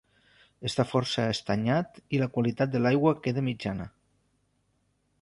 Està força estanyat i la qualitat de l'aigua queda mitjana.